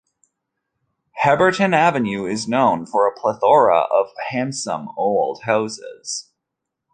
Heberton Avenue is known for a plethora of handsome old houses.